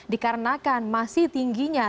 dikarenakan masih tingginya